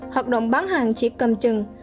học động bán hàng chỉ cầm chừng